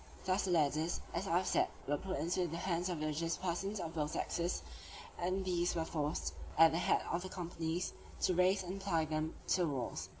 Thus the ladders, as I have said, were at once put into the hands of religious persons of both sexes, and these were forced, at the head of the companies, to raise and apply them to the walls.